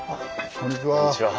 こんにちは。